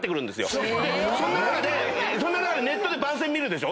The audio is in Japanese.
そんな中でネットで番宣見るでしょ。